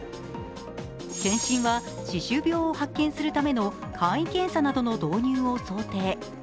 検診は歯周病を発見するための簡易検査などの導入を想定。